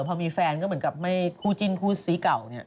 แต่ผมพอมีแฟนก็เหมือนกับไม่คู่จิ้นคู่สี้เก่า